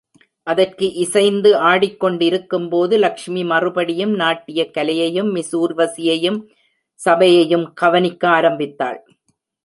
அதற்கு இசைந்து ஆடிக்கொண்டிருக்கும்போது லக்ஷ்மி மறுபடியும் நாட்டியக் கலையையும், மிஸ் ஊர்வசியையும், சபையையும் கவனிக்க ஆரம்பித்தாள்.